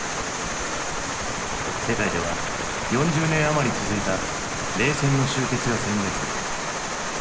世界では４０年余り続いた冷戦の終結が宣言された。